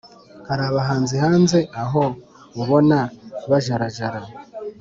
hari abahanzi hanze aha ubona bajarajara,